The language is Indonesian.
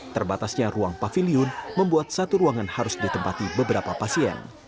terbatasnya ruang pavilion membuat satu ruangan harus ditempati beberapa pasien